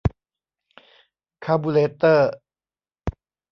คาร์บูเรเตอร์